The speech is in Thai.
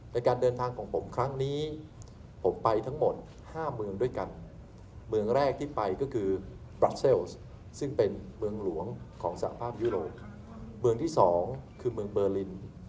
ในการเดินทางของผมครั้งนี้ผมไปทั้งหมด๕เมืองด้วยกันเมืองแรกที่ไปก็คือบราเซลซึ่งเป็นเมืองหลวงของสหภาพยุโรปเมืองที่๒คือเมืองเบอร์ลิน